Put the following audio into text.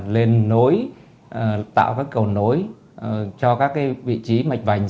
lên nối tạo các cầu nối cho các vị trí mạch vành